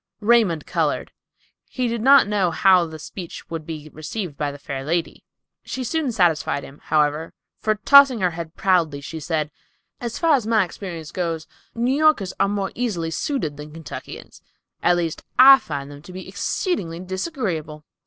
Raymond colored. He did not know how the speech would be received by the fair lady. She soon satisfied him, however; for tossing her head proudly, she said, "As far as my experience goes, New Yorkers are more easily suited than Kentuckians; at least, I find them to be exceedingly disagreeable."